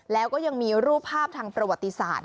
แล้วก็ยังมีรูปภาพทางประวัติศาสตร์